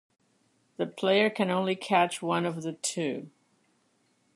The player can only catch one of the two.